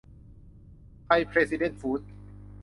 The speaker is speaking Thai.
ไทยเพรซิเดนท์ฟูดส์